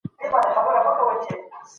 دا ډول خلګ په ټولنه کي ښه ژوند کوي.